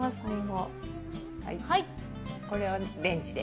これはレンジで。